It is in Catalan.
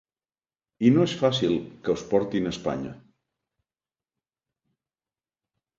I no és fàcil que us portin a Espanya.